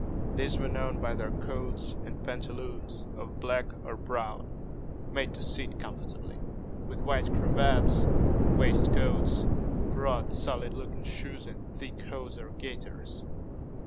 These were known by their coats and pantaloons of black or brown, made to sit comfortably, with white cravats and waistcoats, broad solid looking shoes, and thick hose or gaiters.